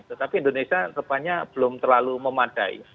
tetapi indonesia depannya belum terlalu memadai